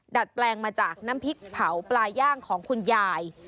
ดัดแปลงมาจากน้ำพริกเผาปลาย่างของคุณยาย